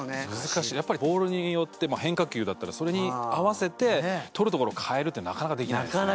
やっぱりボールによって変化球だったらそれに合わせて捕るところを変えるってなかなかできないですね。